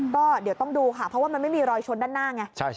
ก็เดี๋ยวต้องดูค่ะเพราะว่ามันไม่มีรอยชนด้านหน้าไง